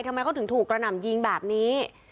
ทำไมเขาถึงถูกกระหน่ำยิงแบบนี้